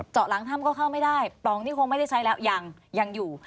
หลังถ้ำก็เข้าไม่ได้ปล่องนี้คงไม่ได้ใช้แล้วยังยังอยู่